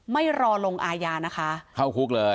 ไม่รอลงอาญานะคะเข้าคุกเลย